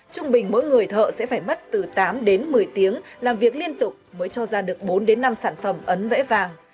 trung bình mỗi người thợ sẽ phải mất từ tám đến một mươi tiếng làm việc liên tục mới cho ra được bốn đến năm sản phẩm ấn vẽ vàng